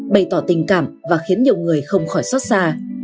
bày tỏ tình cảm và khiến nhiều người không khỏi xót xa